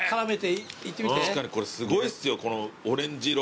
確かにこれすごいっすよこのオレンジ色。